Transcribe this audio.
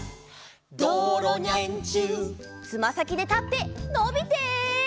「どうろにゃでんちゅう」「つまさきで立ってのびて」